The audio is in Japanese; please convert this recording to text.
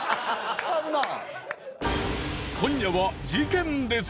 今夜は事件です！